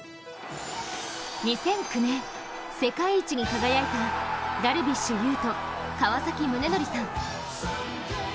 ２００９年、世界一に輝いたダルビッシュ有と川崎宗則さん。